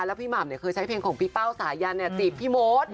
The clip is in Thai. แล้วพี่หม่ำเนี่ยเคยใช้เพลงของพี่เป้าสายันเนี่ยจีบพี่โมท